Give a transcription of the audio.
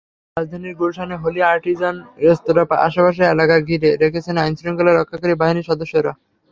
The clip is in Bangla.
রাজধানীর গুলশানে হলি আর্টিজান রেস্তোরাঁর আশপাশের এলাকাটি ঘিরে রেখেছেন আইনশৃঙ্খলা রক্ষাকারী বাহিনীর সদস্যরা।